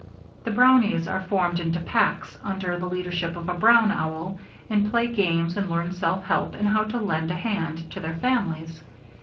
The Brownies are formed into packs, under the leadership of a "Brown Owl," and play games and learn self help and how to "lend a hand" to their families.